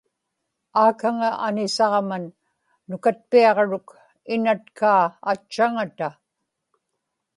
aakaŋa anisaġman nukatpiaġruk inatkaa atchaŋata